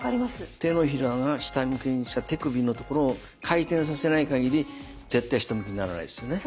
手のひらが下向きにした手首のところを回転させないかぎり絶対下向きにならないですよね？